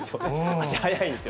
足速いんです。